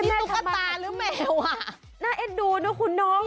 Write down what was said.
ตุ๊กตาหรือแมวอ่ะน่าเอ็นดูนะคุณน้อง